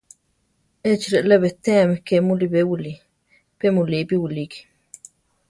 Échi relé betéami ke mulibé wilí; pe mulípi wilíki.